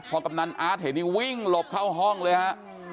พอกำนันอาร์ตเห็นนี่วิ่งหลบเข้าห้องเลยฮะ